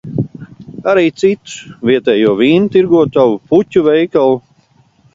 Arī citus – vietējo vīna tirgotavu, puķu veikalu.